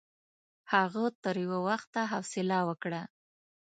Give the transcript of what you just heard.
هغه تر یوه وخته حوصله وکړه.